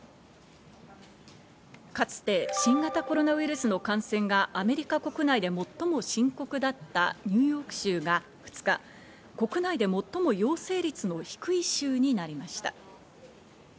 かつて新型コロナウイルスの感染がアメリカ国内で最も深刻だったニューヨーク州が２日、国内で最も陽性率の低い州になりました。